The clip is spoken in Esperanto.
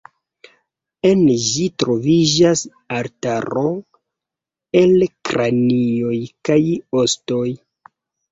En ĝi troviĝas altaro el kranioj kaj ostoj.